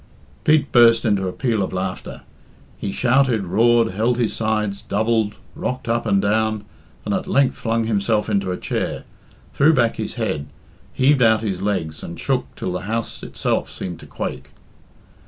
Pete burst into a peal of laughter. He shouted, roared, held his sides, doubled, rocked up and down, and at length flung himself into a chair, threw back his head, heaved out his legs, and shook till the house itself seemed to quake.